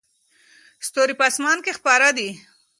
ستوري په اسمان کې خپاره دي.